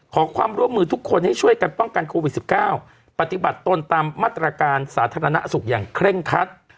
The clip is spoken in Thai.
ขอความร่วมมือทุกคนให้ช่วยกันป้องกันโควิด๑๙ปฏิบัติตนตามมาตรการสาธารณสุขอย่างเคร่งคัด